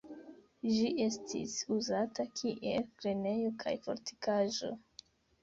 Ĝi estis uzata kiel grenejo kaj fortikaĵo.